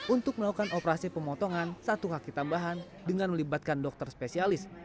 untuk melakukan operasi pemotongan satu kaki tambahan dengan melibatkan dokter spesialis